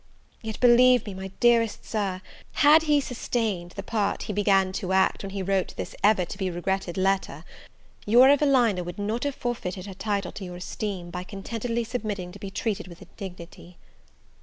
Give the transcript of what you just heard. yet, believe me, my dearest Sir, had he sustained the part he began to act when he wrote this ever to be regretted letter, your Evelina would have not forfeited her title to your esteem, by contentedly submitting to be treated with indignity.